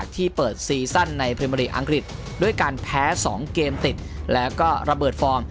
ติดแล้วก็ระเบิดฟอร์ม